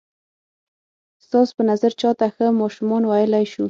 ستاسو په نظر چاته ښه ماشومان ویلای شو؟